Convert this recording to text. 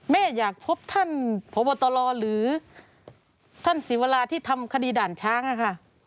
แม่อยากพบท่านพบตรหรือท่านศิวราที่ทำคดีด่านช้างค่ะ